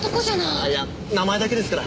あっいや名前だけですから。